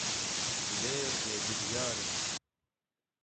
Lê bêbiryar im.